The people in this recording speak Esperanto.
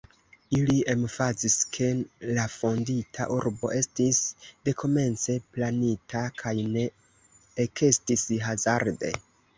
Ili emfazis, ke la fondita urbo estis dekomence planita kaj ne ekestis hazarde.